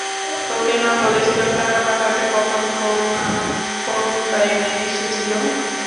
তোকে না বলেছিলাম টাকা পাঠাতে প্রথম ফোন কোন টাইমে এসেছিলো?